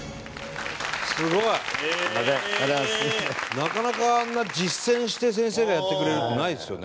なかなかあんな実践して先生がやってくれるってないですよね。